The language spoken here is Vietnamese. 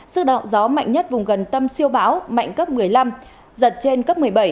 sức động gió mạnh nhất vùng gần tâm siêu bão mạnh cấp một mươi năm giật trên cấp một mươi bảy